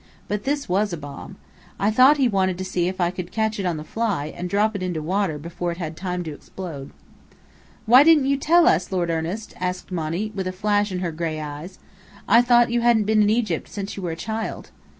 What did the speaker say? But this was a bomb. I thought he wanted to see if I could catch it on the fly, and drop it into water before it had time to explode. "Why didn't you tell us, Lord Ernest?" asked Monny, with a flash in her gray eyes. "I thought you hadn't been in Egypt since you were a child."